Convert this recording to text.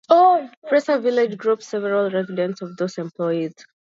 Fraser village groups several residences of those employees.